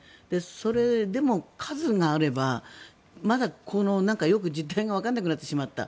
それでも数があればまだよく、実態がよくわからなくなってしまった。